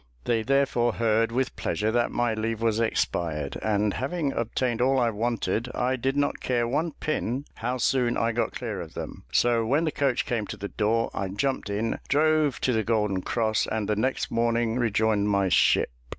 They therefore heard with pleasure that my leave was expired; and, having obtained all I wanted, I did not care one pin how soon I got clear of them; so when the coach came to the door, I jumped in, drove to the Golden Cross, and the next morning rejoined my ship.